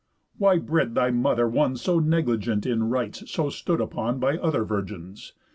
Why bred thy mother one So negligent in rites so stood upon By other virgins?